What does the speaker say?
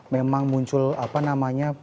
memang muncul apa namanya